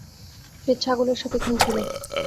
সে ছাগলের সাথে খেলছিলো।